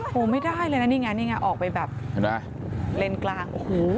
โหไม่ได้เลยนี่ไงออกไปแบบเล็นกลาง